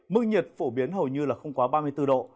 mức nhiệt phổ biến hầu như là không quá ba mươi bốn độ